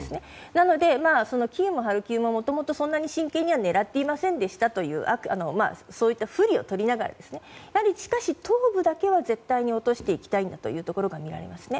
なので、キーウもハルキウももともと真剣には狙っていませんでしたというそういったふりをとりながらしかし東部だけは絶対に落としていきたいんだという狙いが見られますね。